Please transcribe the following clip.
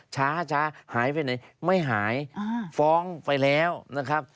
ช้าหายไปไหนไม่หายฟ้องไปแล้วนะครับ